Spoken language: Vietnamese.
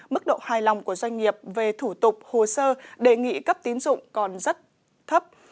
mức độ hài lòng của doanh nghiệp về thủ tục hồ sơ đề nghị cấp tín dụng còn rất thấp